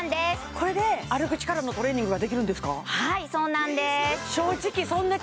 これで歩く力のトレーニングができるんですかはいそうなんです